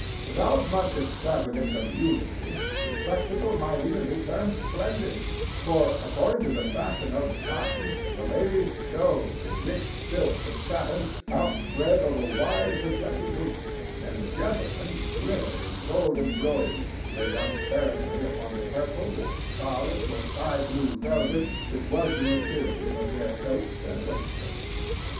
Without much extravagance of eulogy, the spectacle might even be termed splendid, for, according to the fashion of the times, the ladies shone in rich silks and satins outspread over wide projecting hoops, and the gentlemen glittered in gold embroidery laid unsparingly upon the purple or scarlet or sky blue velvet which was the material of their coats and waistcoats.